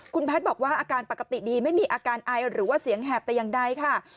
คุณแพทย์บอกว่าอาการปกติดีไม่มีอาการไอหรือว่าเสียงแหบแต่อย่างใดค่ะ